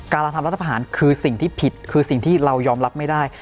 เราทำรัฐประหารคือสิ่งที่ผิดคือสิ่งที่เรายอมรับไม่ได้